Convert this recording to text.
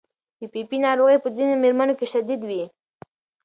پي پي پي ناروغي په ځینو مېرمنو کې شدید وي.